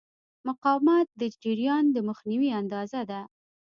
مقاومت د جریان د مخنیوي اندازه ده.